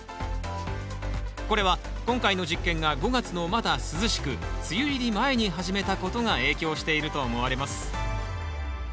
これは今回の実験が５月のまだ涼しく梅雨入り前に始めたことが影響していると思われます。